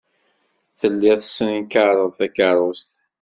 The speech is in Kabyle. Telliḍ tessenkareḍ takeṛṛust.